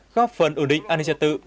góp phần ổn định an ninh trật tự